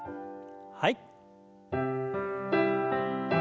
はい。